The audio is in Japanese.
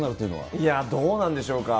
いや、どうなんでしょうか。